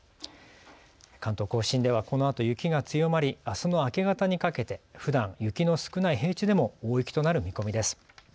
関東甲信ではこのあと雪が強まりあすの明け方にかけてふだん雪の少ない平地でも大雪となる見込みです。